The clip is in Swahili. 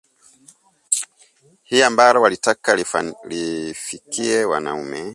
Hili ambalo walitaka liwafikie wanaume